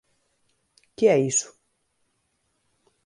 Qué é iso?